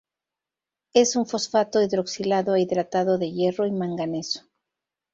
Es un fosfato hidroxilado e hidratado de hierro y manganeso.